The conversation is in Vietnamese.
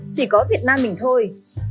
chỉ có việt nam mình thôi